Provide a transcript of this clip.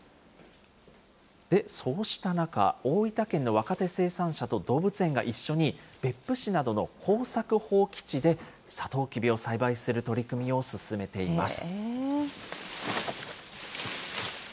で、そうした中、大分県の若手生産者と動物園が一緒に、別府市などの耕作放棄地でさとうきびを栽培する取り組みを進めています。